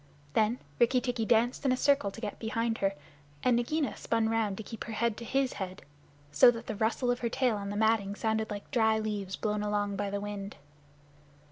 Then Rikki tikki danced in a circle to get behind her, and Nagaina spun round to keep her head to his head, so that the rustle of her tail on the matting sounded like dry leaves blown along by the wind.